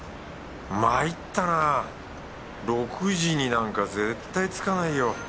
まいったなぁ６時になんか絶対着かないよ。